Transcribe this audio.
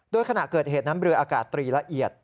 โดยขณะเกิดเหตุน้ำเรืออากาศตรีละเอียด